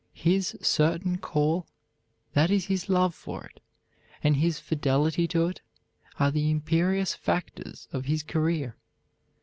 His certain call, that is his love for it, and his fidelity to it, are the imperious factors of his career.